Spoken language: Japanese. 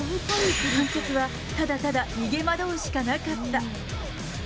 観客はただただ逃げ惑うしかなかった。